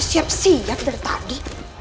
siap siap dari tadi